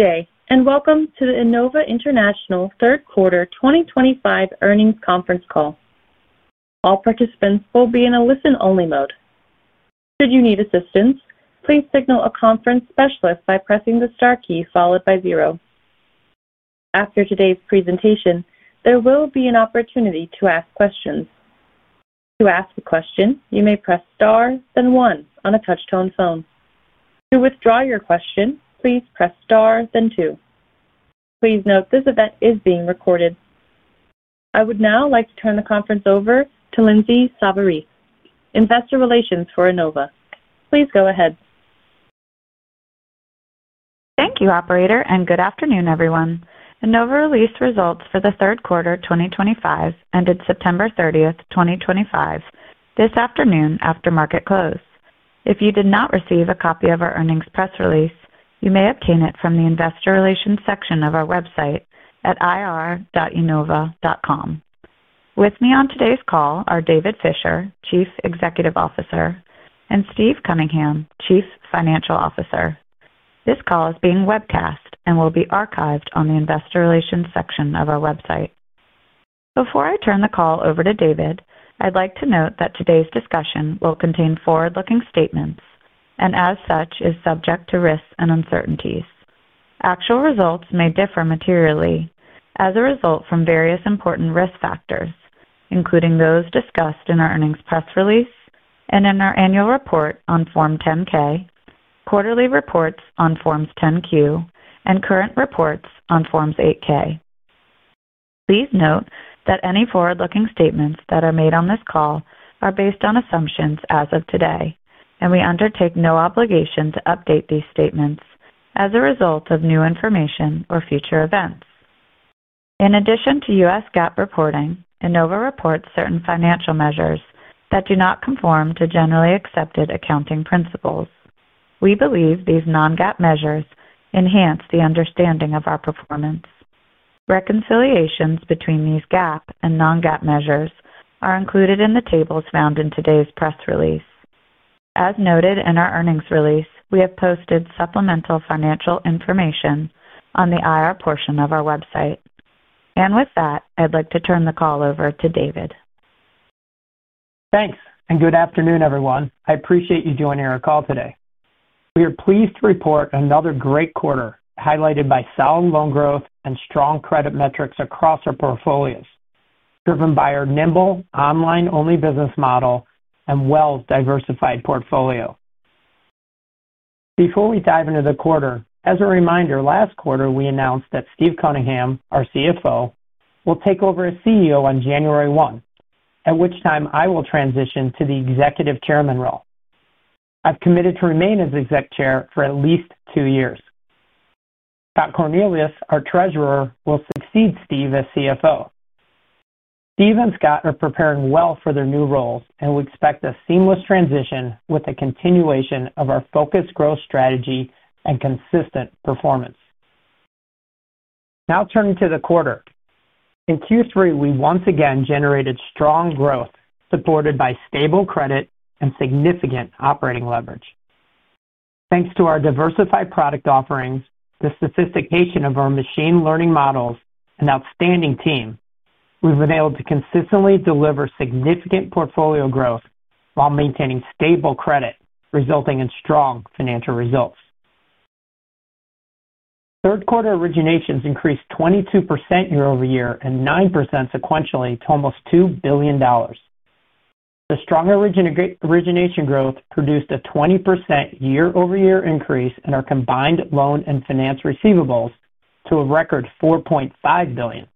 Today, and welcome to the Enova International Third Quarter 2025 Earnings Conference Call. All participants will be in a listen-only mode. Should you need assistance, please signal a conference specialist by pressing the star key followed by zero. After today's presentation, there will be an opportunity to ask questions. To ask a question, you may press star, then one on a touch-tone phone. To withdraw your question, please press star, then two. Please note this event is being recorded. I would now like to turn the conference over to Lindsay Savarese, Investor Relations for Enova. Please go ahead. Thank you, Operator, and good afternoon, everyone. Enova released results for the third quarter 2025 ended September 30, 2025, this afternoon after market close. If you did not receive a copy of our earnings press release, you may obtain it from the Investor Relations section of our website at ir.enova.com. With me on today's call are David Fisher, Chief Executive Officer, and Steve Cunningham, Chief Financial Officer. This call is being webcast and will be archived on the Investor Relations section of our website. Before I turn the call over to David, I'd like to note that today's discussion will contain forward-looking statements and, as such, is subject to risks and uncertainties. Actual results may differ materially as a result from various important risk factors, including those discussed in our earnings press release and in our annual report on Form 10-K, quarterly reports on Forms 10-Q, and current reports on Forms 8-K. Please note that any forward-looking statements that are made on this call are based on assumptions as of today, and we undertake no obligation to update these statements as a result of new information or future events. In addition to U.S. GAAP reporting, Enova reports certain financial measures that do not conform to generally accepted accounting principles. We believe these non-GAAP measures enhance the understanding of our performance. Reconciliations between these GAAP and non-GAAP measures are included in the tables found in today's press release. As noted in our earnings release, we have posted supplemental financial information on the IR portion of our website. With that, I'd like to turn the call over to David. Thanks, and good afternoon, everyone. I appreciate you joining our call today. We are pleased to report another great quarter highlighted by solid loan growth and strong credit metrics across our portfolios, driven by our nimble, online-only business model and well-diversified portfolio. Before we dive into the quarter, as a reminder, last quarter we announced that Steve Cunningham, our CFO, will take over as CEO on January 1, at which time I will transition to the Executive Chairman role. I've committed to remain as Executive Chair for at least two years. Scott Cornelius, our Treasurer, will succeed Steve as CFO. Steve and Scott are preparing well for their new roles and will expect a seamless transition with a continuation of our focused growth strategy and consistent performance. Now turning to the quarter, in Q3, we once again generated strong growth supported by stable credit and significant operating leverage. Thanks to our diversified product offerings, the sophistication of our machine learning models, and outstanding team, we've been able to consistently deliver significant portfolio growth while maintaining stable credit, resulting in strong financial results. Third quarter originations increased 22% year-over-year and 9% sequentially to almost $2 billion. The stronger origination growth produced a 20% year-over-year increase in our combined loan and finance receivables to a record $4.5 billion.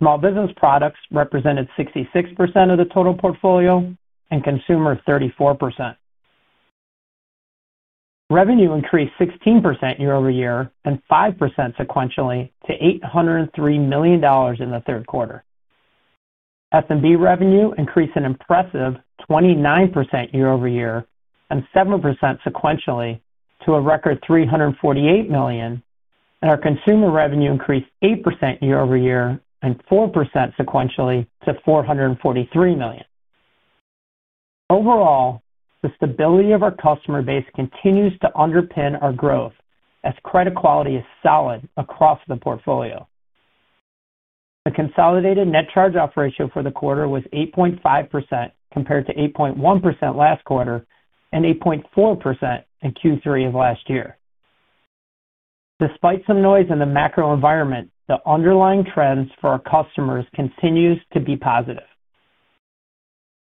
Small business products represented 66% of the total portfolio and consumer 34%. Revenue increased 16% year-over-year and 5% sequentially to $803 million in the third quarter. SMB revenue increased an impressive 29% year-over-year and 7% sequentially to a record $348 million, and our consumer revenue increased 8% year-over-year and 4% sequentially to $443 million. Overall, the stability of our customer base continues to underpin our growth as credit quality is solid across the portfolio. The consolidated net charge-off ratio for the quarter was 8.5% compared to 8.1% last quarter and 8.4% in Q3 of last year. Despite some noise in the macro environment, the underlying trends for our customers continue to be positive.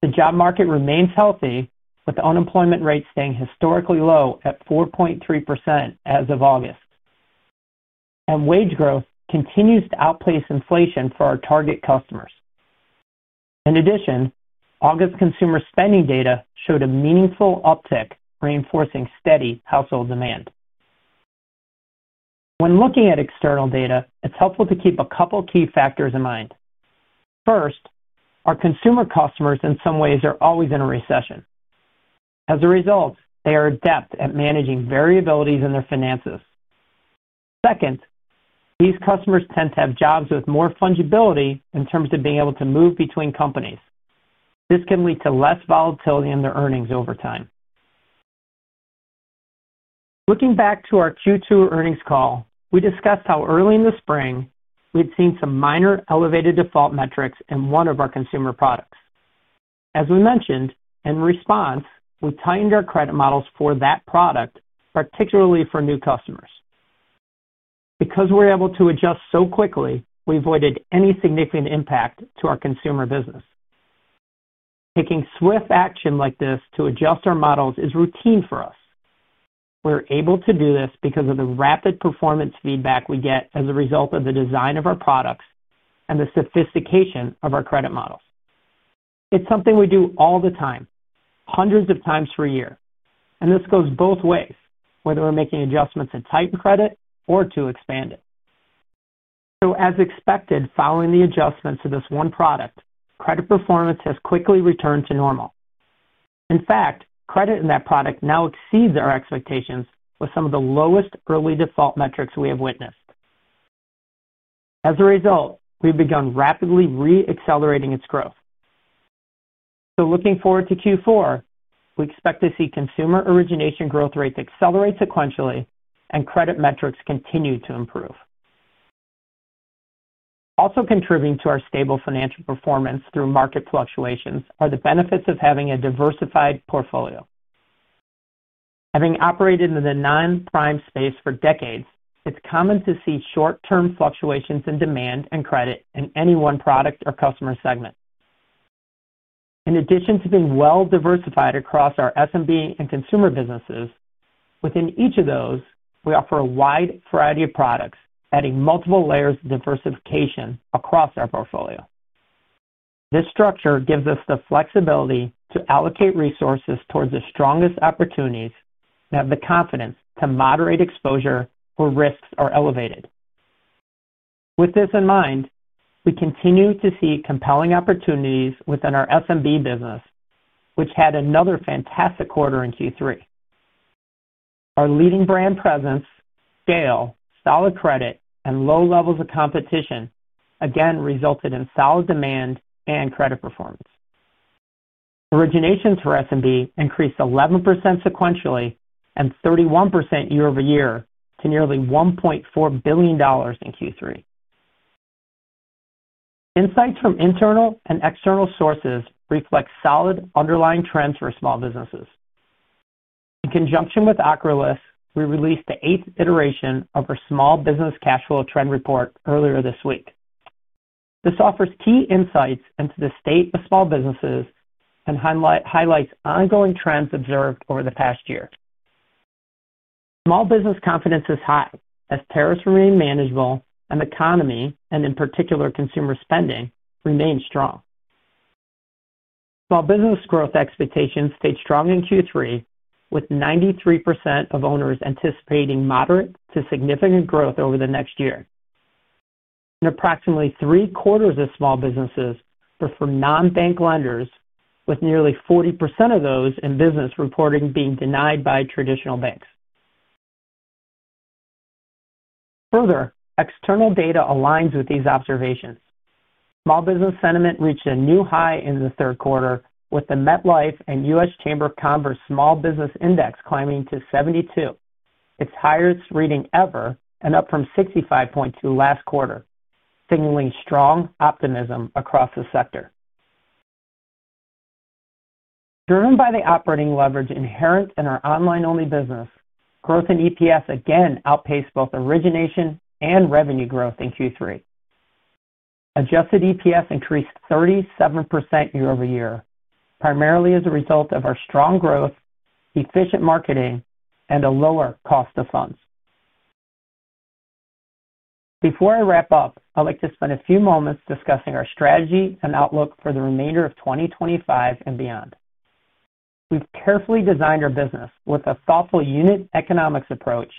The job market remains healthy, with unemployment rates staying historically low at 4.3% as of August, and wage growth continues to outpace inflation for our target customers. In addition, August consumer spending data showed a meaningful uptick, reinforcing steady household demand. When looking at external data, it's helpful to keep a couple of key factors in mind. First, our consumer customers in some ways are always in a recession. As a result, they are adept at managing variabilities in their finances. Second, these customers tend to have jobs with more fungibility in terms of being able to move between companies. This can lead to less volatility in their earnings over time. Looking back to our Q2 earnings call, we discussed how early in the spring we had seen some minor elevated default metrics in one of our consumer products. As we mentioned, in response, we tightened our credit models for that product, particularly for new customers. Because we're able to adjust so quickly, we avoided any significant impact to our consumer business. Taking swift action like this to adjust our models is routine for us. We're able to do this because of the rapid performance feedback we get as a result of the design of our products and the sophistication of our credit models. It's something we do all the time, hundreds of times per year, and this goes both ways, whether we're making adjustments to tighten credit or to expand it. As expected, following the adjustments to this one product, credit performance has quickly returned to normal. In fact, credit in that product now exceeds our expectations with some of the lowest early default metrics we have witnessed. As a result, we've begun rapidly re-accelerating its growth. Looking forward to Q4, we expect to see consumer origination growth rates accelerate sequentially and credit metrics continue to improve. Also contributing to our stable financial performance through market fluctuations are the benefits of having a diversified portfolio. Having operated in the non-prime space for decades, it's common to see short-term fluctuations in demand and credit in any one product or customer segment. In addition to being well-diversified across our SMB and consumer businesses, within each of those, we offer a wide variety of products, adding multiple layers of diversification across our portfolio. This structure gives us the flexibility to allocate resources towards the strongest opportunities and have the confidence to moderate exposure where risks are elevated. With this in mind, we continue to see compelling opportunities within our SMB business, which had another fantastic quarter in Q3. Our leading brand presence, scale, solid credit, and low levels of competition again resulted in solid demand and credit performance. Originations for SMB increased 11% sequentially and 31% year-over-year to nearly $1.4 billion in Q3. Insights from internal and external sources reflect solid underlying trends for small businesses. In conjunction with Acrolis, we released the eighth iteration of our Small Business Cash Flow Trend Report earlier this week. This offers key insights into the state of small businesses and highlights ongoing trends observed over the past year. Small business confidence is high as tariffs remain manageable and the economy, and in particular, consumer spending remains strong. Small business growth expectations stayed strong in Q3, with 93% of owners anticipating moderate to significant growth over the next year. Approximately three quarters of small businesses prefer non-bank lenders, with nearly 40% of those in business reporting being denied by traditional banks. Further, external data aligns with these observations. Small business sentiment reached a new high in the third quarter, with the MetLife and U.S. Chamber of Commerce Small Business Index climbing to 72, its highest reading ever, and up from 65.2 last quarter, signaling strong optimism across the sector. Driven by the operating leverage inherent in our online-only business, growth in EPS again outpaced both origination and revenue growth in Q3. Adjusted EPS increased 37% year-over-year, primarily as a result of our strong growth, efficient marketing, and a lower cost of funds. Before I wrap up, I'd like to spend a few moments discussing our strategy and outlook for the remainder of 2025 and beyond. We've carefully designed our business with a thoughtful unit economics approach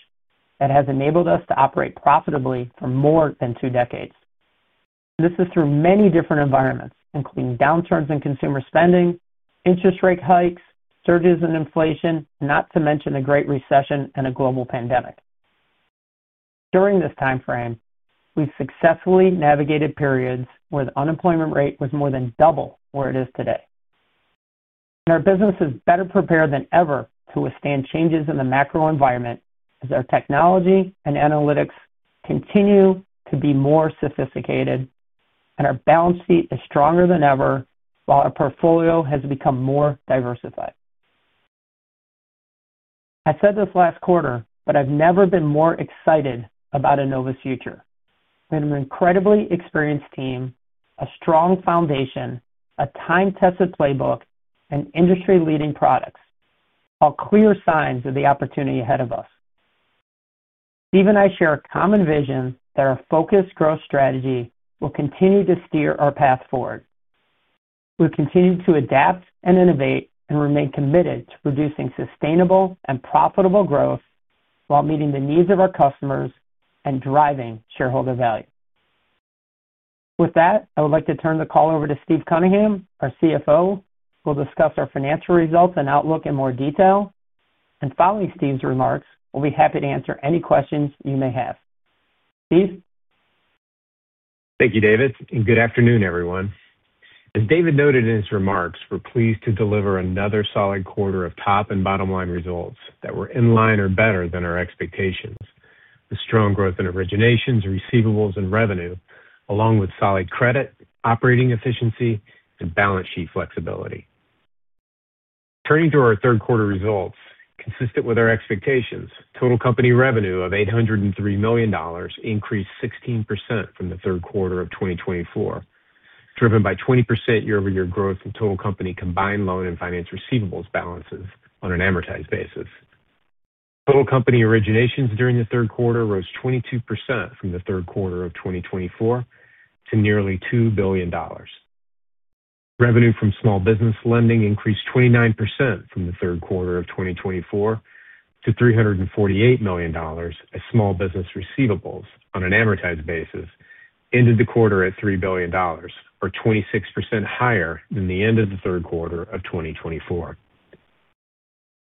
that has enabled us to operate profitably for more than two decades. This is through many different environments, including downturns in consumer spending, interest rate hikes, surges in inflation, not to mention the Great Recession and a global pandemic. During this timeframe, we've successfully navigated periods where the unemployment rate was more than double where it is today. Our business is better prepared than ever to withstand changes in the macro environment as our technology and analytics continue to be more sophisticated, and our balance sheet is stronger than ever, while our portfolio has become more diversified. I said this last quarter, but I've never been more excited about Enova's future. We have an incredibly experienced team, a strong foundation, a time-tested playbook, and industry-leading products, all clear signs of the opportunity ahead of us. Steve and I share a common vision that our focused growth strategy will continue to steer our path forward. We'll continue to adapt and innovate and remain committed to producing sustainable and profitable growth while meeting the needs of our customers and driving shareholder value. With that, I would like to turn the call over to Steve Cunningham, our CFO, who will discuss our financial results and outlook in more detail. Following Steve's remarks, we'll be happy to answer any questions you may have. Steve. Thank you, David, and good afternoon, everyone. As David noted in his remarks, we're pleased to deliver another solid quarter of top and bottom-line results that were in line or better than our expectations, with strong growth in originations, receivables, and revenue, along with solid credit, operating efficiency, and balance sheet flexibility. Turning to our third quarter results, consistent with our expectations, total company revenue of $803 million increased 16% from the third quarter of 2024, driven by 20% year-over-year growth in total company combined loan and finance receivables balances on an amortized basis. Total company originations during the third quarter rose 22% from the third quarter of 2024 to nearly $2 billion. Revenue from small business lending increased 29% from the third quarter of 2024 to $348 million, as small business receivables on an amortized basis ended the quarter at $3 billion, or 26% higher than the end of the third quarter of 2024.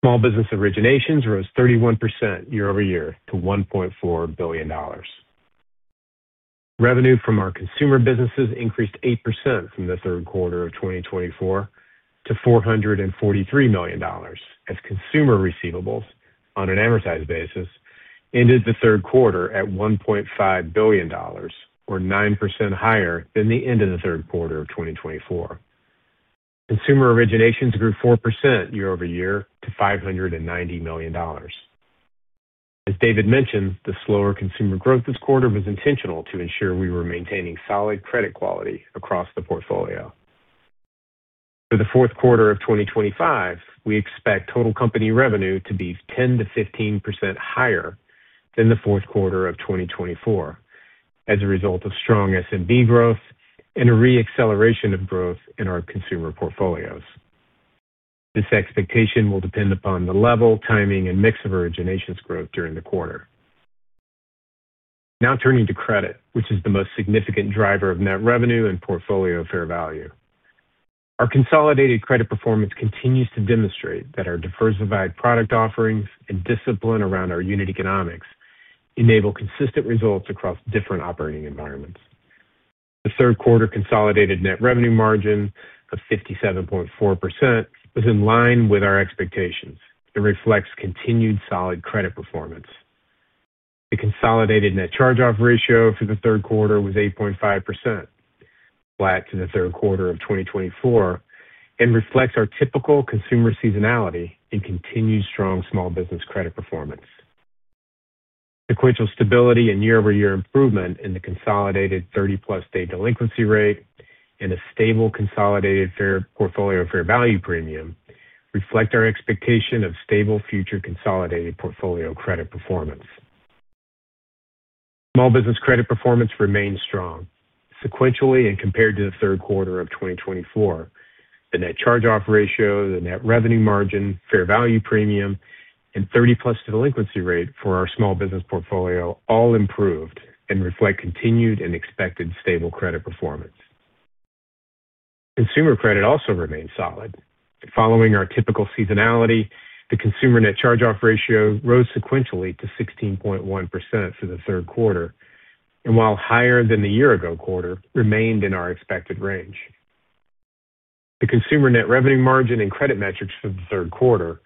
Small business originations rose 31% year-over-year to $1.4 billion. Revenue from our consumer businesses increased 8% from the third quarter of 2024 to $443 million, as consumer receivables on an amortized basis ended the third quarter at $1.5 billion, or 9% higher than the end of the third quarter of 2024. Consumer originations grew 4% year-over-year to $590 million. As David mentioned, the slower consumer growth this quarter was intentional to ensure we were maintaining solid credit quality across the portfolio. For the fourth quarter of 2025, we expect total company revenue to be 10%-15% higher than the fourth quarter of 2024 as a result of strong SMB growth and a re-acceleration of growth in our consumer portfolios. This expectation will depend upon the level, timing, and mix of originations growth during the quarter. Now turning to credit, which is the most significant driver of net revenue and portfolio fair value, our consolidated credit performance continues to demonstrate that our diversified product offerings and discipline around our unit economics enable consistent results across different operating environments. The third quarter consolidated net revenue margin of 57.4% was in line with our expectations and reflects continued solid credit performance. The consolidated net charge-off ratio for the third quarter was 8.5%, flat for the third quarter of 2024, and reflects our typical consumer seasonality and continued strong small business credit performance. Sequential stability and year-over-year improvement in the consolidated 30+ day delinquency rate and a stable consolidated portfolio fair value premium reflect our expectation of stable future consolidated portfolio credit performance. Small business credit performance remains strong sequentially and compared to the third quarter of 2024. The net charge-off ratio, the net revenue margin, fair value premium, and 30+ day delinquency rate for our small business portfolio all improved and reflect continued and expected stable credit performance. Consumer credit also remains solid. Following our typical seasonality, the consumer net charge-off ratio rose sequentially to 16.1% for the third quarter, and, while higher than the year-ago quarter, remained in our expected range. The consumer net revenue margin and credit metrics for the third quarter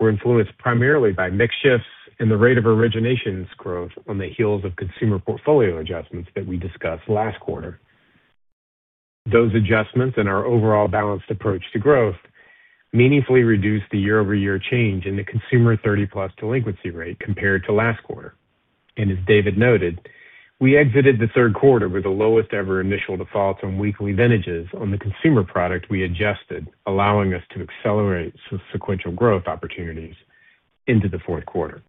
were influenced primarily by mix shifts and the rate of originations growth on the heels of consumer portfolio adjustments that we discussed last quarter. Those adjustments and our overall balanced approach to growth meaningfully reduced the year-over-year change in the consumer 30-plus-day delinquency rate compared to last quarter. As David noted, we exited the third quarter with the lowest ever initial defaults on weekly vintages on the consumer product we adjusted, allowing us to accelerate some sequential growth opportunities into the fourth quarter.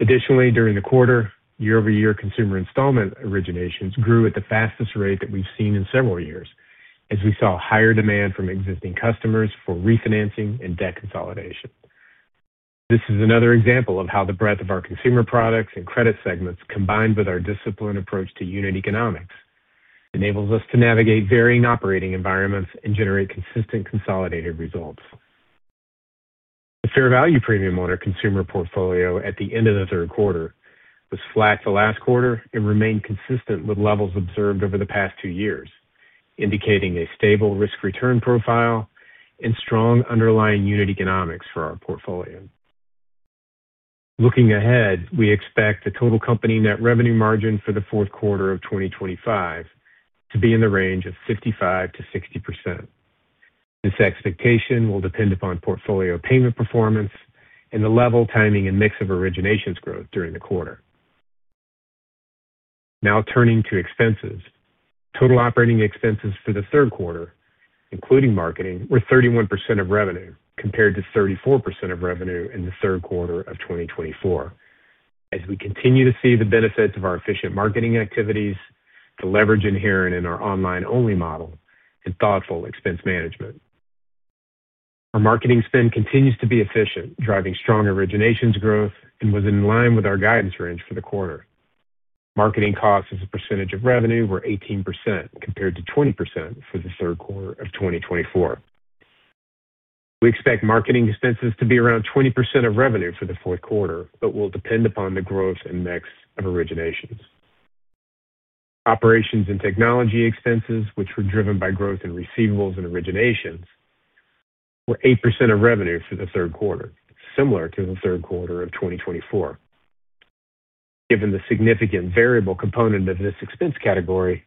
Additionally, during the quarter, year-over-year consumer installment originations grew at the fastest rate that we've seen in several years, as we saw higher demand from existing customers for refinancing and debt consolidation. This is another example of how the breadth of our consumer products and credit segments, combined with our disciplined approach to unit economics, enables us to navigate varying operating environments and generate consistent consolidated results. The fair value premium on our consumer portfolio at the end of the third quarter was flat for the last quarter and remained consistent with levels observed over the past two years, indicating a stable risk return profile and strong underlying unit economics for our portfolio. Looking ahead, we expect the total company net revenue margin for the fourth quarter of 2025 to be in the range of 55%-60%. This expectation will depend upon portfolio payment performance and the level, timing, and mix of originations growth during the quarter. Now turning to expenses, total operating expenses for the third quarter, including marketing, were 31% of revenue compared to 34% of revenue in the third quarter of 2024, as we continue to see the benefits of our efficient marketing activities, the leverage inherent in our online-only model, and thoughtful expense management. Our marketing spend continues to be efficient, driving strong originations growth and was in line with our guidance range for the quarter. Marketing costs as a percentage of revenue were 18% compared to 20% for the third quarter of 2024. We expect marketing expenses to be around 20% of revenue for the fourth quarter, but will depend upon the growth and mix of originations. Operations and technology expenses, which were driven by growth in receivables and originations, were 8% of revenue for the third quarter, similar to the third quarter of 2024. Given the significant variable component of this expense category,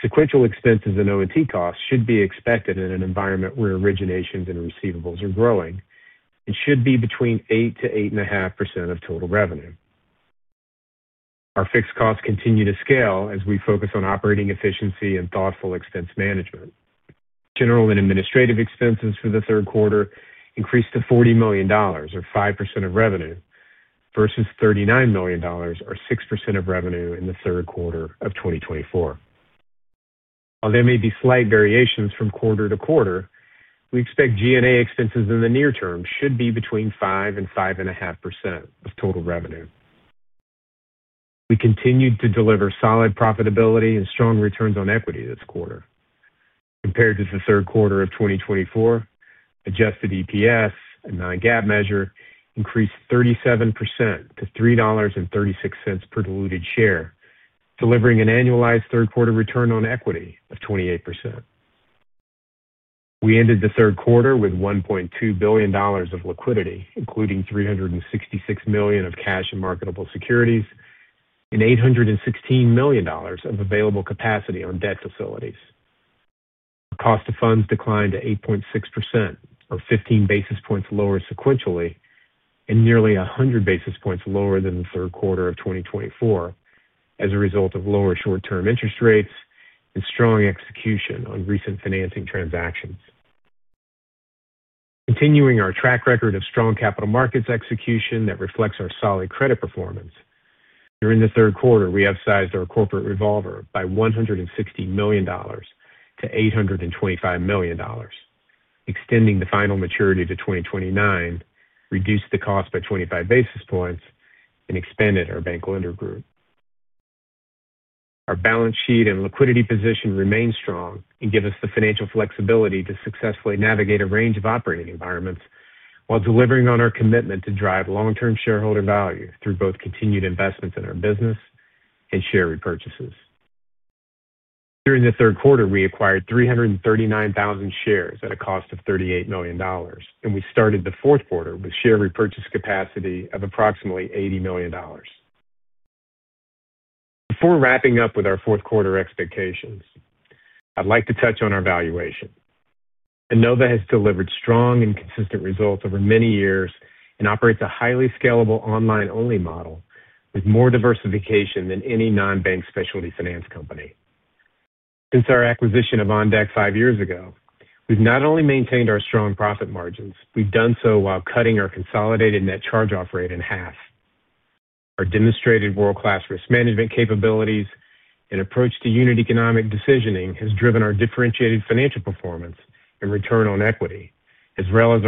sequential expenses and O&T costs should be expected in an environment where originations and receivables are growing and should be between 8%-8.5% of total revenue. Our fixed costs continue to scale as we focus on operating efficiency and thoughtful expense management. General and administrative expenses for the third quarter increased to $40 million, or 5% of revenue, versus $39 million, or 6% of revenue in the third quarter of 2024. While there may be slight variations from quarter to quarter, we expect G&A expenses in the near term should be between 5% and 5.5% of total revenue. We continued to deliver solid profitability and strong returns on equity this quarter. Compared to the third quarter of 2024, adjusted EPS, a non-GAAP measure, increased 37% to $3.36 per diluted share, delivering an annualized third-quarter return on equity of 28%. We ended the third quarter with $1.2 billion of liquidity, including $366 million of cash and marketable securities, and $816 million of available capacity on debt facilities. Our cost of funds declined to 8.6%, or 15 basis points lower sequentially, and nearly 100 basis points lower than the third quarter of 2024 as a result of lower short-term interest rates and strong execution on recent financing transactions. Continuing our track record of strong capital markets execution that reflects our solid credit performance, during the third quarter, we upsized our corporate revolver by $160 million to $825 million, extending the final maturity to 2029, reduced the cost by 25 basis points, and expanded our bank lender group. Our balance sheet and liquidity position remain strong and give us the financial flexibility to successfully navigate a range of operating environments while delivering on our commitment to drive long-term shareholder value through both continued investments in our business and share repurchases. During the third quarter, we acquired 339,000 shares at a cost of $38 million, and we started the fourth quarter with share repurchase capacity of approximately $80 million. Before wrapping up with our fourth quarter expectations, I'd like to touch on our valuation. Enova has delivered strong and consistent results over many years and operates a highly scalable online-only model with more diversification than any non-bank specialty finance company. Since our acquisition of OnDeck five years ago, we've not only maintained our strong profit margins, we've done so while cutting our consolidated net charge-off ratio in half. Our demonstrated world-class risk management capabilities and approach to unit economic decisioning has driven our differentiated financial performance and return on equity, as well as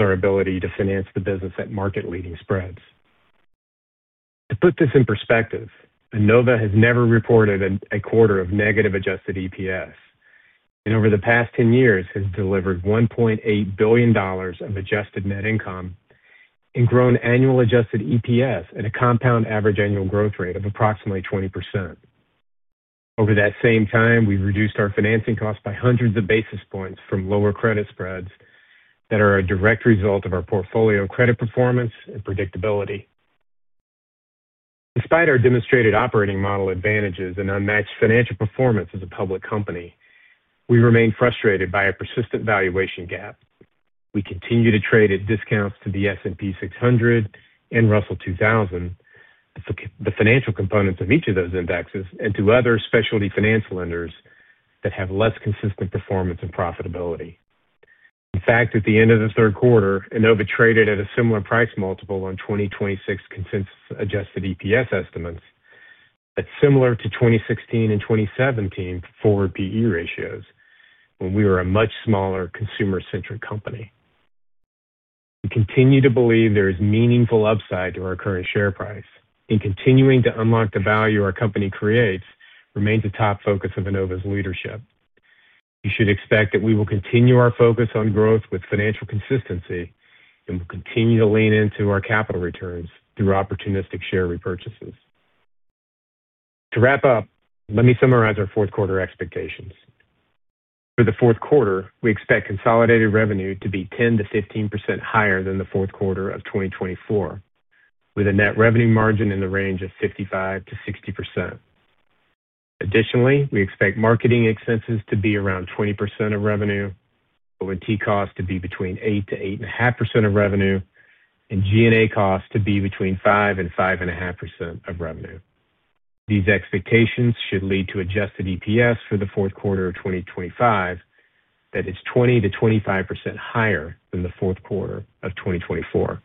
our ability to finance the business at market-leading spreads. To put this in perspective, Enova has never reported a quarter of negative adjusted EPS and over the past 10 years has delivered $1.8 billion of adjusted net income and grown annual adjusted EPS at a compound average annual growth rate of approximately 20%. Over that same time, we've reduced our financing costs by hundreds of basis points from lower credit spreads that are a direct result of our portfolio credit performance and predictability. Despite our demonstrated operating model advantages and unmatched financial performance as a public company, we remain frustrated by a persistent valuation gap. We continue to trade at discounts to the S&P 600 and Russell 2000, the financial components of each of those indexes, and to other specialty finance lenders that have less consistent performance and profitability. In fact, at the end of the third quarter, Enova traded at a similar price multiple on 2026 consensus-adjusted EPS estimates that's similar to 2016 and 2017 forward P/E ratios when we were a much smaller consumer-centric company. We continue to believe there is meaningful upside to our current share price, and continuing to unlock the value our company creates remains a top focus of Enova's leadership. You should expect that we will continue our focus on growth with financial consistency and will continue to lean into our capital returns through opportunistic share repurchases. To wrap up, let me summarize our fourth quarter expectations. For the fourth quarter, we expect consolidated revenue to be 10%-15% higher than the fourth quarter of 2024, with a net revenue margin in the range of 55%-60%. Additionally, we expect marketing expenses to be around 20% of revenue, O&T costs to be between 8%-8.5% of revenue, and G&A costs to be between 5% and 5.5% of revenue. These expectations should lead to adjusted EPS for the fourth quarter of 2025 that is 20%-25% higher than the fourth quarter of 2024.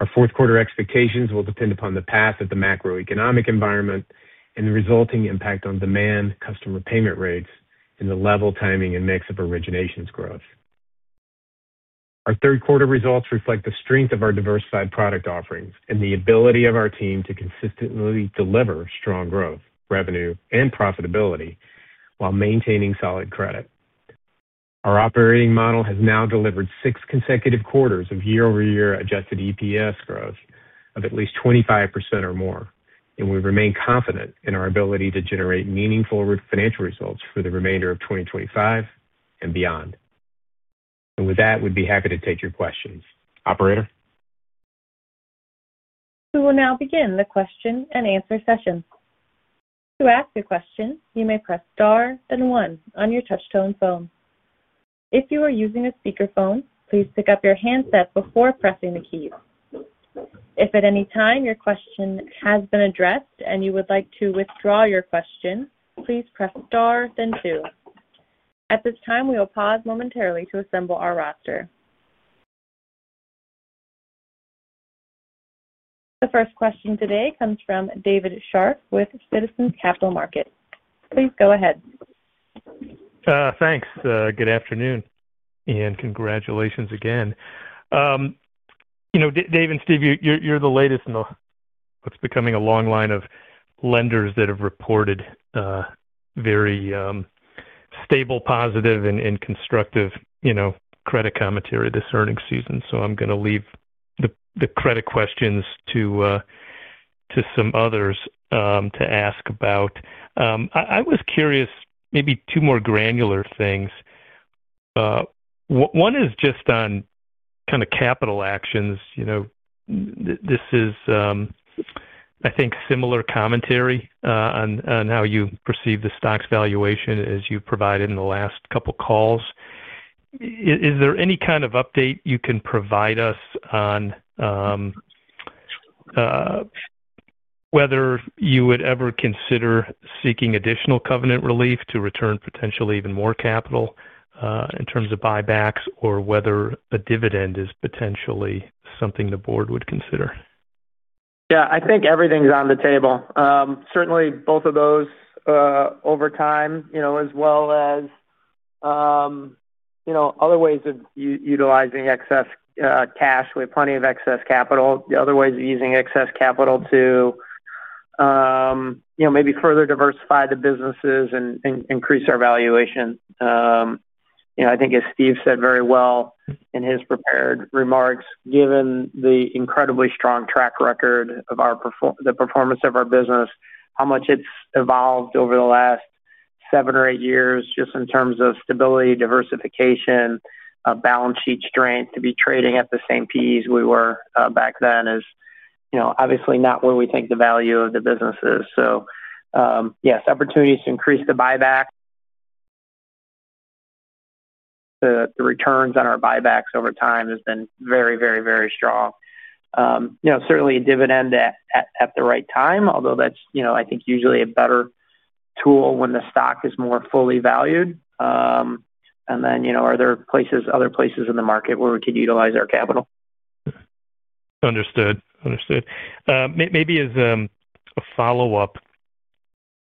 Our fourth quarter expectations will depend upon the path of the macroeconomic environment and the resulting impact on demand, customer payment rates, and the level, timing, and mix of originations growth. Our third quarter results reflect the strength of our diversified product offerings and the ability of our team to consistently deliver strong growth, revenue, and profitability while maintaining solid credit. Our operating model has now delivered six consecutive quarters of year-over-year adjusted EPS growth of at least 25% or more, and we remain confident in our ability to generate meaningful financial results for the remainder of 2025 and beyond. We'd be happy to take your questions, Operator. We will now begin the question-and-answer session. To ask a question, you may press star, then one on your touch-tone phone. If you are using a speakerphone, please pick up your handset before pressing the keys. If at any time your question has been addressed and you would like to withdraw your question, please press star, then two. At this time, we will pause momentarily to assemble our roster. The first question today comes from David Scharf with Citizens Capital Markets. Please go ahead. Thanks. Good afternoon, and congratulations again. David and Steve, you're the latest in what's becoming a long line of lenders that have reported very stable, positive, and constructive credit commentary this earnings season. I'm going to leave the credit questions to some others to ask about. I was curious, maybe two more granular things. One is just on kind of capital actions. This is, I think, similar commentary on how you perceive the stock's valuation as you provided in the last couple of calls. Is there any kind of update you can provide us on whether you would ever consider seeking additional covenant relief to return potentially even more capital in terms of buybacks or whether a dividend is potentially something the board would consider? Yeah, I think everything's on the table. Certainly, both of those over time, as well as other ways of utilizing excess cash. We have plenty of excess capital. The other ways of using excess capital to maybe further diversify the businesses and increase our valuation. I think, as Steve said very well in his prepared remarks, given the incredibly strong track record of the performance of our business, how much it's evolved over the last seven or eight years just in terms of stability, diversification, and balance sheet strength, to be trading at the same PEs we were back then is obviously not where we think the value of the business is. Yes, opportunities to increase the buyback, the returns on our buybacks over time has been very, very, very strong. Certainly a dividend at the right time, although that's, I think, usually a better tool when the stock is more fully valued. Are there other places in the market where we could utilize our capital? Understood. Maybe as a follow-up,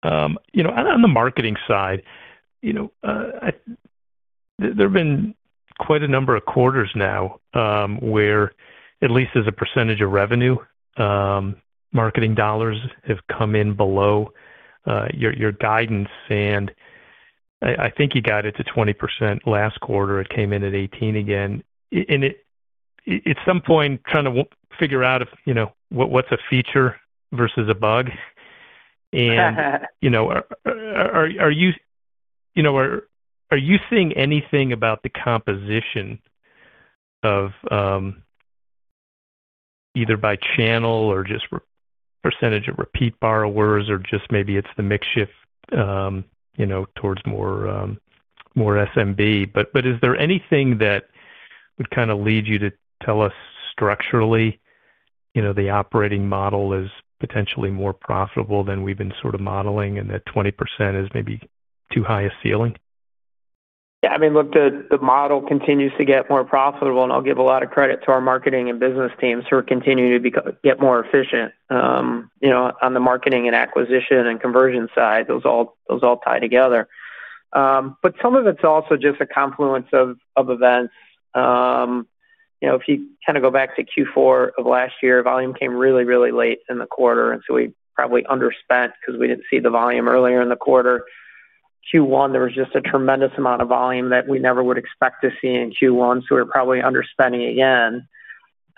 on the marketing side, there have been quite a number of quarters now where, at least as a percentage of revenue, marketing dollars have come in below your guidance. I think you got it to 20% last quarter. It came in at 18% again. At some point, trying to figure out if what's a feature versus a bug. Are you seeing anything about the composition of either by channel or just percentage of repeat borrowers, or maybe it's the mix shift towards more SMB? Is there anything that would kind of lead you to tell us structurally the operating model is potentially more profitable than we've been sort of modeling and that 20% is maybe too high a ceiling? Yeah, I mean, look, the model continues to get more profitable, and I'll give a lot of credit to our marketing and business teams who are continuing to get more efficient, you know, on the marketing and acquisition and conversion side. Those all tie together. Some of it's also just a confluence of events. If you kind of go back to Q4 of last year, volume came really, really late in the quarter, and we probably underspent because we didn't see the volume earlier in the quarter. Q1, there was just a tremendous amount of volume that we never would expect to see in Q1, so we were probably underspending again.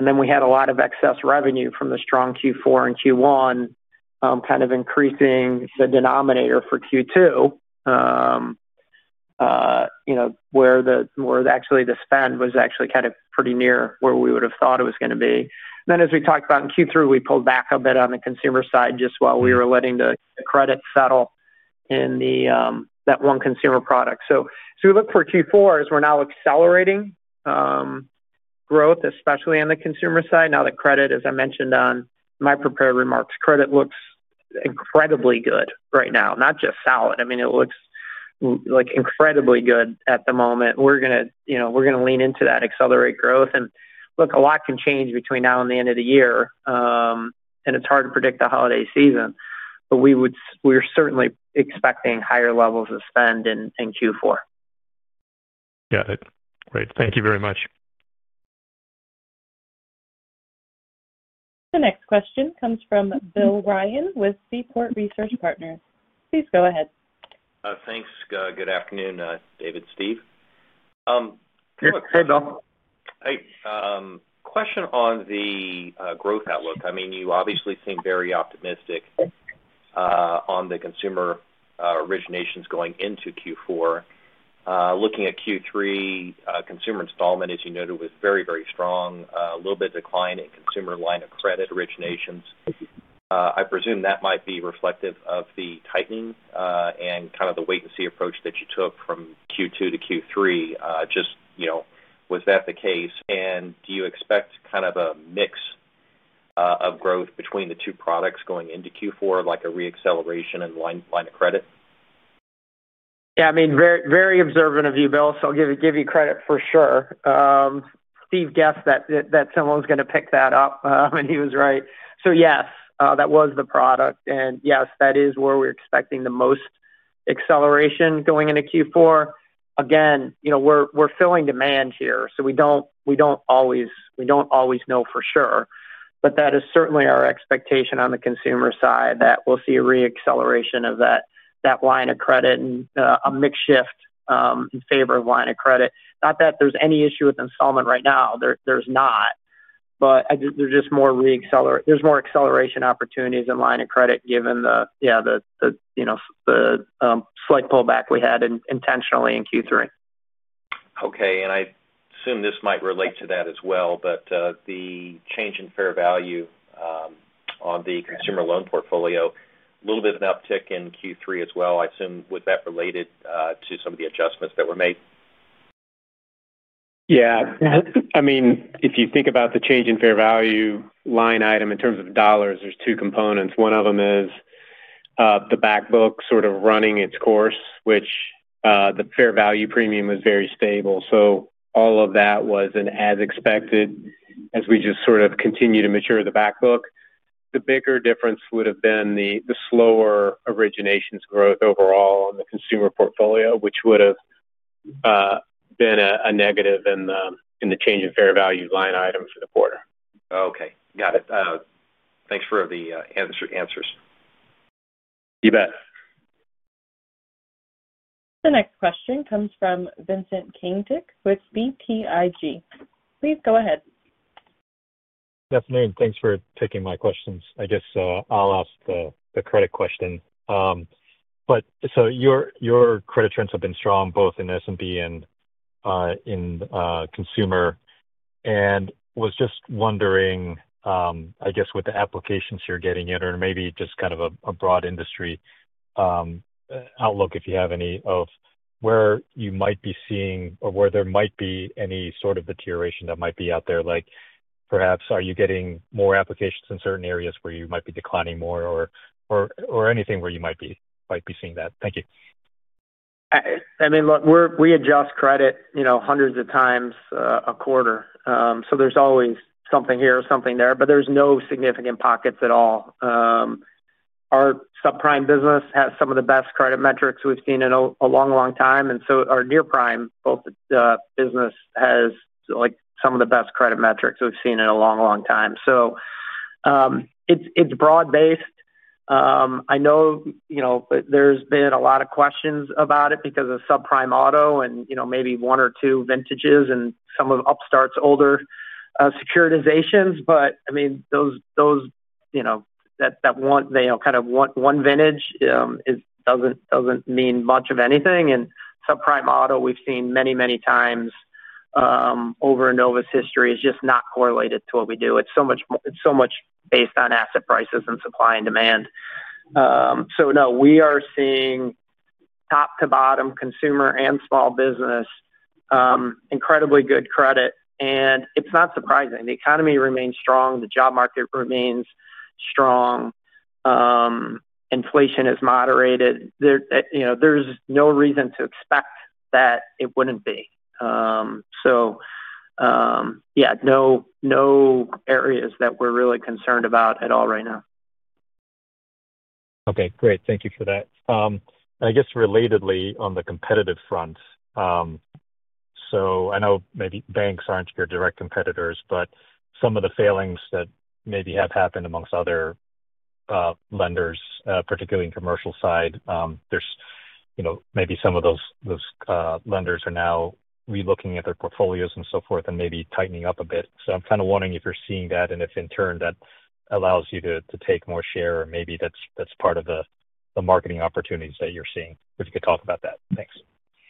We had a lot of excess revenue from the strong Q4 and Q1, kind of increasing the denominator for Q2, where actually the spend was actually kind of pretty near where we would have thought it was going to be. As we talked about in Q3, we pulled back a bit on the consumer side just while we were letting the credit settle in that one consumer product. As we look for Q4, as we're now accelerating growth, especially on the consumer side, now that credit, as I mentioned on my prepared remarks, credit looks incredibly good right now, not just solid. I mean, it looks like incredibly good at the moment. We're going to lean into that, accelerate growth. A lot can change between now and the end of the year, and it's hard to predict the holiday season, but we're certainly expecting higher levels of spend in Q4. Got it. Great. Thank you very much. The next question comes from Bill Ryan with Seaport Research Partners. Please go ahead. Thanks. Good afternoon, David, Steve. Hey, Bill. Hey. Question on the growth outlook. You obviously seem very optimistic on the consumer originations going into Q4. Looking at Q3, consumer installment, as you noted, was very, very strong. A little bit of decline in consumer line of credit originations. I presume that might be reflective of the tightening and kind of the wait-and-see approach that you took from Q2 to Q3. Was that the case? Do you expect kind of a mix of growth between the two products going into Q4, like a re-acceleration in line of credit? Yeah, I mean, very observant of you, Bill. I'll give you credit for sure. Steve guessed that someone was going to pick that up, and he was right. Yes, that was the product, and yes, that is where we're expecting the most acceleration going into Q4. Again, we're filling demand here, so we don't always know for sure. That is certainly our expectation on the consumer side that we'll see a re-acceleration of that line of credit and a mix shift in favor of line of credit. Not that there's any issue with installment right now. There's not. There's just more re-acceleration, more acceleration opportunities in line of credit given the slight pullback we had intentionally in Q3. Okay. I assume this might relate to that as well, but the change in fair value on the consumer loan portfolio, a little bit of an uptick in Q3 as well. I assume was that related to some of the adjustments that were made? Yeah. If you think about the change in fair value line item in terms of dollars, there's two components. One of them is the backbook sort of running its course, which the fair value premium was very stable. All of that was as expected as we just continue to mature the backbook. The bigger difference would have been the slower originations growth overall on the consumer portfolio, which would have been a negative in the change in fair value line item for the quarter. Okay. Got it. Thanks for the answers. You bet. The next question comes from Vincent Caintic with BTIG. Please go ahead. Good afternoon. Thanks for taking my questions. I guess I'll ask the credit question. Your credit trends have been strong both in SMB and in consumer. I was just wondering, with the applications you're getting in or maybe just kind of a broad industry outlook, if you have any, of where you might be seeing or where there might be any sort of deterioration that might be out there, like perhaps are you getting more applications in certain areas where you might be declining more or anything where you might be seeing that? Thank you. I mean, look, we adjust credit hundreds of times a quarter. There's always something here or something there, but there's no significant pockets at all. Our sub-prime business has some of the best credit metrics we've seen in a long, long time. Our near prime business has some of the best credit metrics we've seen in a long, long time. It's broad-based. I know there's been a lot of questions about it because of sub-prime auto and maybe one or two vintages and some of Upstart's older securitizations. That one vintage doesn't mean much of anything. Sub-prime auto, we've seen many, many times over Enova's history, is just not correlated to what we do. It's so much based on asset prices and supply and demand. We are seeing top to bottom consumer and small business incredibly good credit. It's not surprising. The economy remains strong. The job market remains strong. Inflation is moderated. There's no reason to expect that it wouldn't be. No areas that we're really concerned about at all right now. Okay. Great. Thank you for that. I guess relatedly on the competitive front, I know maybe banks aren't your direct competitors, but some of the failings that maybe have happened amongst other lenders, particularly in the commercial side, there's maybe some of those lenders are now relooking at their portfolios and so forth and maybe tightening up a bit. I'm kind of wondering if you're seeing that and if in turn that allows you to take more share or maybe that's part of the marketing opportunities that you're seeing, if you could talk about that. Thanks.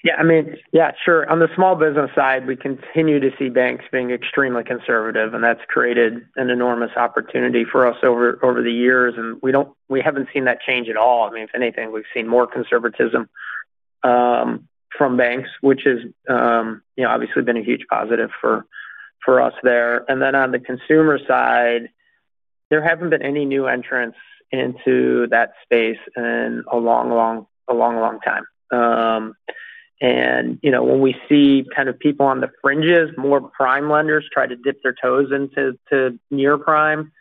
Yeah, sure. On the small business side, we continue to see banks being extremely conservative, and that's created an enormous opportunity for us over the years. We haven't seen that change at all. If anything, we've seen more conservatism from banks, which has obviously been a huge positive for us there. On the consumer side, there haven't been any new entrants into that space in a long, long time. When we see kind of people on the fringes, more prime lenders try to dip their toes into near prime,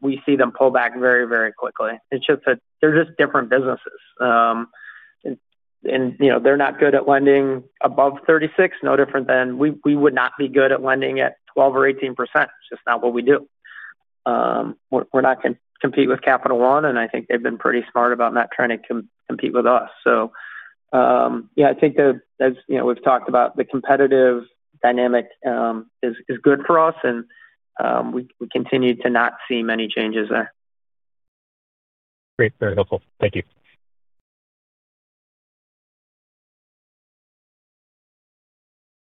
we see them pull back very, very quickly. They're just different businesses, and they're not good at lending above 36%, no different than we would not be good at lending at 12% or 18%. It's just not what we do. We're not going to compete with Capital One, and I think they've been pretty smart about not trying to compete with us. I think that, as you know, we've talked about, the competitive dynamic is good for us, and we continue to not see many changes there. Great. Very helpful. Thank you.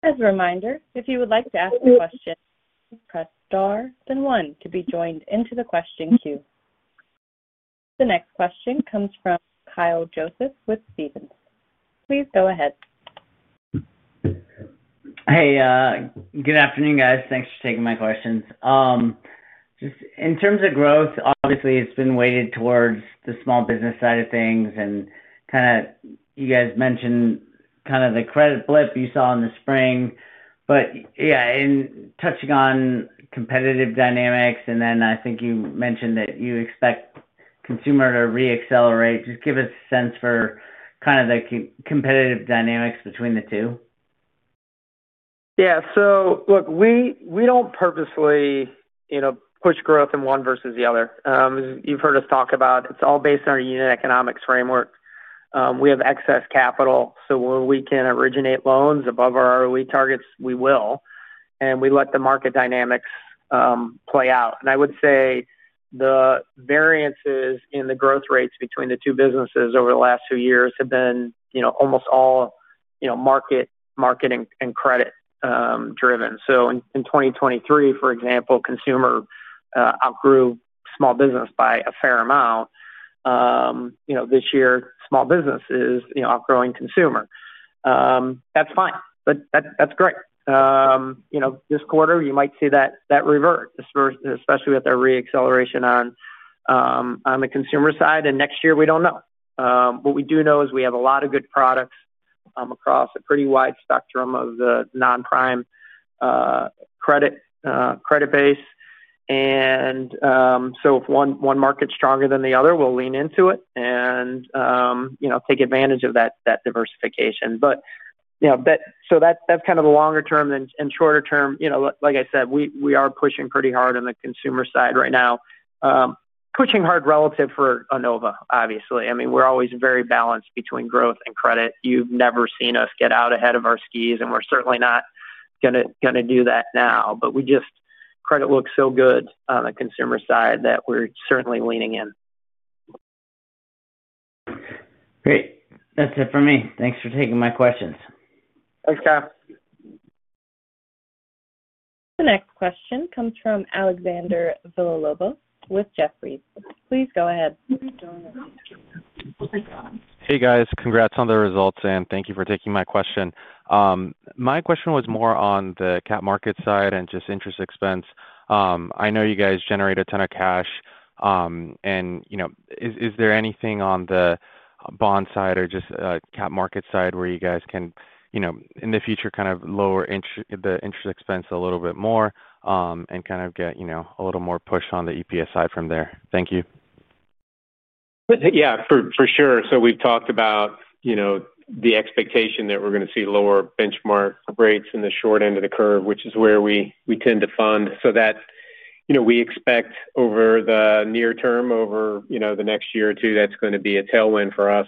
As a reminder, if you would like to ask a question, press star then one to be joined into the question queue. The next question comes from Kyle Joseph with Stephens. Please go ahead. Hey, good afternoon, guys. Thanks for taking my questions. In terms of growth, obviously, it's been weighted towards the small business side of things. You mentioned the credit blip you saw in the spring. In touching on competitive dynamics, I think you mentioned that you expect consumer to re-accelerate. Just give us a sense for the competitive dynamics between the two. Yeah. Look, we don't purposely push growth in one versus the other. As you've heard us talk about, it's all based on our unit economics framework. We have excess capital. When we can originate loans above our ROE targets, we will, and we let the market dynamics play out. I would say the variances in the growth rates between the two businesses over the last few years have been almost all market and credit-driven. In 2023, for example, consumer outgrew small business by a fair amount. This year, small business is outgrowing consumer. That's fine. That's great. This quarter, you might see that revert, especially with our re-acceleration on the consumer side. Next year, we don't know. What we do know is we have a lot of good products across a pretty wide spectrum of the non-prime credit base. If one market's stronger than the other, we'll lean into it and take advantage of that diversification. That's kind of the longer term and shorter term. Like I said, we are pushing pretty hard on the consumer side right now. Pushing hard relative for Enova, obviously. I mean, we're always very balanced between growth and credit. You've never seen us get out ahead of our skis, and we're certainly not going to do that now. Credit looks so good on the consumer side that we're certainly leaning in. Great. That's it for me. Thanks for taking my questions. Thanks, Kyle. The next question comes from Alexander Villalobos with Jefferies. Please go ahead. Hey, guys. Congrats on the results, and thank you for taking my question. My question was more on the cap market side and just interest expense. I know you guys generate a ton of cash. Is there anything on the bond side or just cap market side where you guys can, in the future, kind of lower the interest expense a little bit more and kind of get a little more push on the EPS side from there? Thank you. Yeah, for sure. We've talked about the expectation that we're going to see lower benchmark rates in the short end of the curve, which is where we tend to fund. We expect over the near term, over the next year or two, that's going to be a tailwind for us.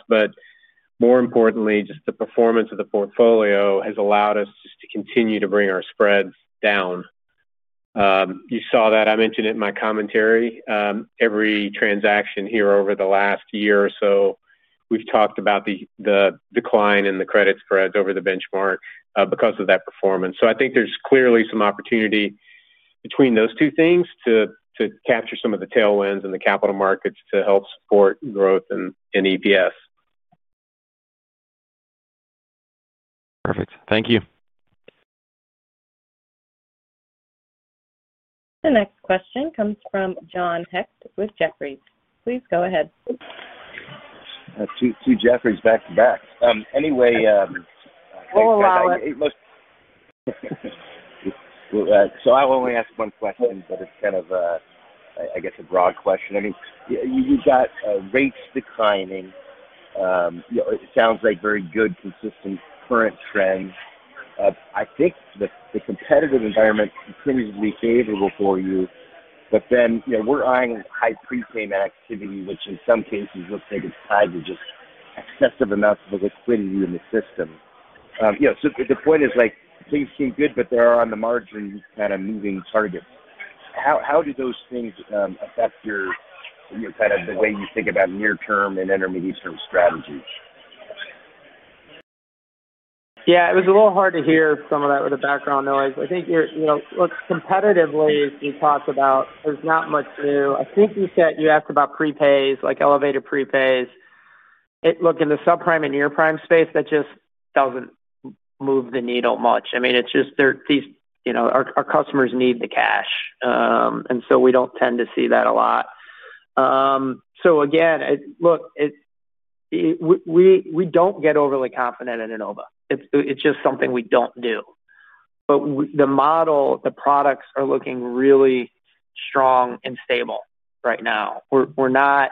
More importantly, just the performance of the portfolio has allowed us to continue to bring our spreads down. You saw that. I mentioned it in my commentary. Every transaction here over the last year or so, we've talked about the decline in the credit spreads over the benchmark because of that performance. I think there's clearly some opportunity between those two things to capture some of the tailwinds in the capital markets to help support growth and EPS. Perfect. Thank you. The next question comes from John Hecht with Jefferies. Please go ahead. I have two Jefferies back to back. Anyway. Oh, wow. I will only ask one question, but it's kind of, I guess, a broad question. You've got rates declining. It sounds like very good, consistent current trends. I think the competitive environment continues to be favorable for you. We're eyeing high prepayment activity, which in some cases looks like it's tied to just excessive amounts of liquidity in the system. The point is, things seem good, but they're on the margin kind of moving targets. How do those things affect your, you know, kind of the way you think about near-term and intermediate-term strategies? Yeah, it was a little hard to hear some of that with the background noise. I think, you know, look, competitively, if we talk about, there's not much new. I think you said you asked about prepays, like elevator prepays. Look, in the subprime and near prime space, that just doesn't move the needle much. I mean, it's just there are these, you know, our customers need the cash. We don't tend to see that a lot. We don't get overly confident in Enova. It's just something we don't do. The model, the products are looking really strong and stable right now. We're not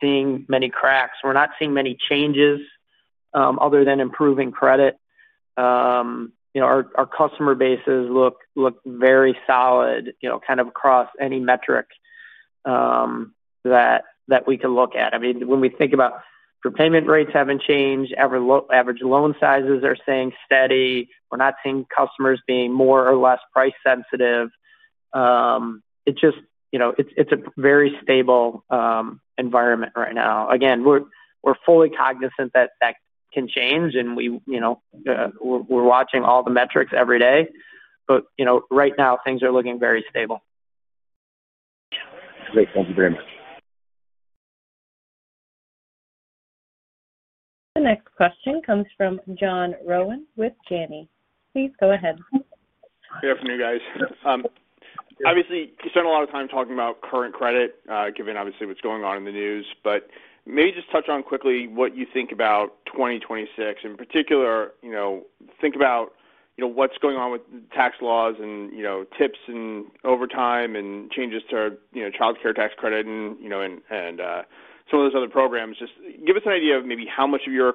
seeing many cracks. We're not seeing many changes other than improving credit. Our customer bases look very solid, kind of across any metric that we can look at. When we think about prepayment rates, they haven't changed. Average loan sizes are staying steady. We're not seeing customers being more or less price sensitive. It's just, you know, it's a very stable environment right now. We are fully cognizant that that can change, and we, you know, we're watching all the metrics every day. Right now, things are looking very stable. Great, thank you very much. The next question comes from John Rowan with Janney. Please go ahead. Good afternoon, guys. Obviously, you spent a lot of time talking about current credit, given what's going on in the news, but maybe just touch on quickly what you think about 2026. In particular, you know, think about what's going on with the tax laws and, you know, tips and overtime and changes to childcare tax credit and some of those other programs. Just give us an idea of maybe how much of your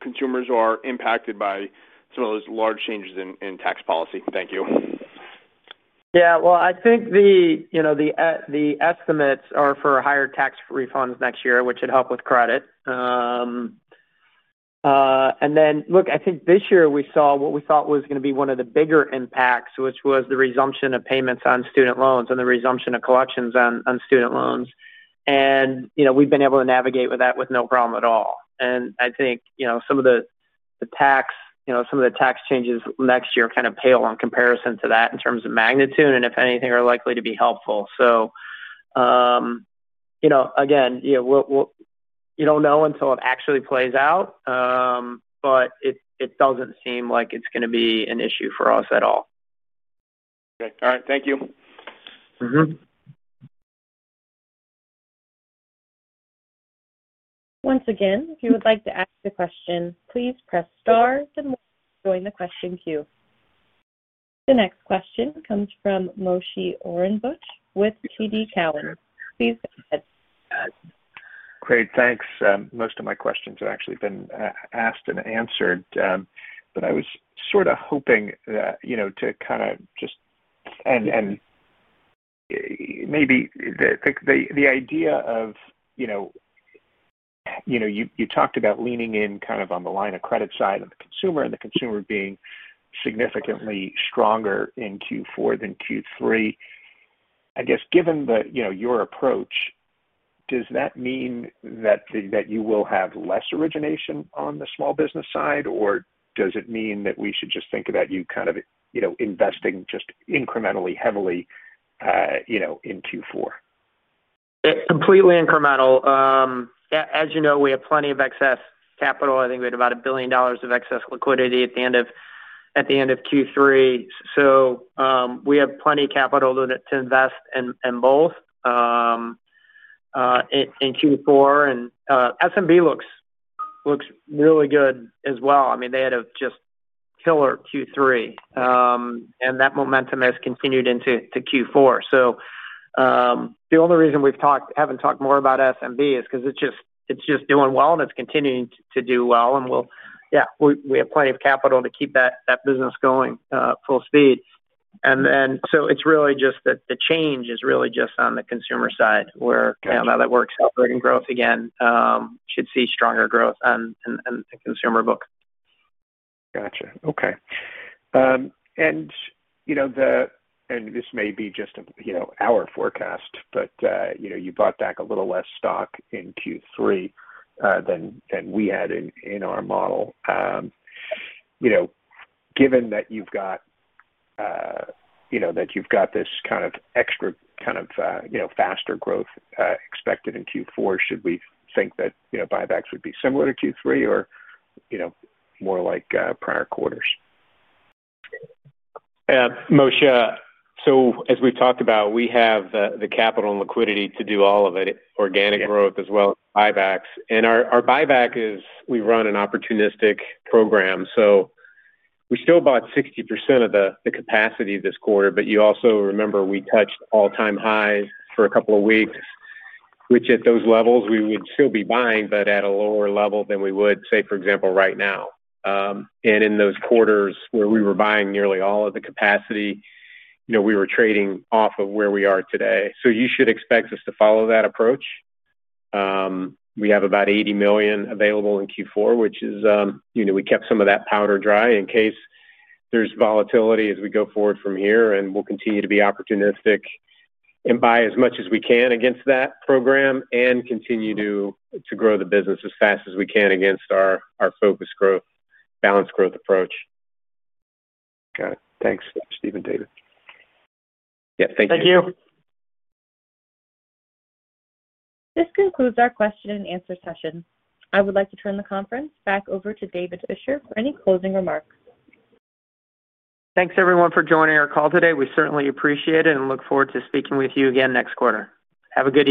consumers are impacted by some of those large changes in tax policy. Thank you. I think the estimates are for a higher tax refund next year, which would help with credit. I think this year we saw what we thought was going to be one of the bigger impacts, which was the resumption of payments on student loans and the resumption of collections on student loans. We've been able to navigate that with no problem at all. I think some of the tax changes next year kind of pale in comparison to that in terms of magnitude and, if anything, are likely to be helpful. You don't know until it actually plays out, but it doesn't seem like it's going to be an issue for us at all. Okay. All right. Thank you. Once again, if you would like to ask a question, please press star then one to join the question queue. The next question comes from Moshe Orenbuch with TD Cowen. Please go ahead. Great. Thanks. Most of my questions have actually been asked and answered. I was sort of hoping that, you know, to kind of just, and maybe the idea of, you know, you talked about leaning in kind of on the line of credit side of the consumer and the consumer being significantly stronger in Q4 than Q3. I guess given the, you know, your approach, does that mean that you will have less origination on the small business side, or does it mean that we should just think about you kind of, you know, investing just incrementally heavily, you know, in Q4? Completely incremental. As you know, we have plenty of excess capital. I think we had about $1 billion of excess liquidity at the end of Q3. We have plenty of capital to invest in both in Q4. SMB looks really good as well. I mean, they had a just killer Q3, and that momentum has continued into Q4. The only reason we haven't talked more about SMB is because it's just doing well and it's continuing to do well. We have plenty of capital to keep that business going full speed. It's really just that the change is really just on the consumer side where now that we're accelerating growth again, we should see stronger growth in the consumer book. Okay. This may be just our forecast, but you bought back a little less stock in Q3 than we had in our model. Given that you've got this kind of extra, faster growth expected in Q4, should we think that buybacks would be similar to Q3 or more like prior quarters? Yeah. Moshe, as we've talked about, we have the capital and liquidity to do all of it, organic growth as well as buybacks. Our buyback is we run an opportunistic program. We still bought 60% of the capacity this quarter. You also remember we touched all-time highs for a couple of weeks, which at those levels we would still be buying, but at a lower level than we would, for example, right now. In those quarters where we were buying nearly all of the capacity, we were trading off of where we are today. You should expect us to follow that approach. We have about $80 million available in Q4, which is, you know, we kept some of that powder dry in case there's volatility as we go forward from here. We'll continue to be opportunistic and buy as much as we can against that program and continue to grow the business as fast as we can against our focused growth, balanced growth approach. Got it. Thanks, Steve and David. Yeah, thank you. Thank you. This concludes our question-and-answer session. I would like to turn the conference back over to David Fisher for any closing remarks. Thanks, everyone, for joining our call today. We certainly appreciate it and look forward to speaking with you again next quarter. Have a good day.